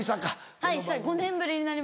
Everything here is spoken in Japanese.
はい。